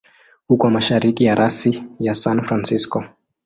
Uko mashariki ya rasi ya San Francisco.